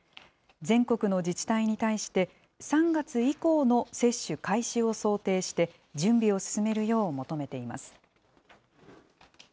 全国の自治体に対して、３月以降の接種開始を想定して、準備を進めるよう求めています。